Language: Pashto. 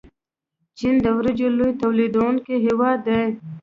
چین د وریجو لوی تولیدونکی هیواد دی.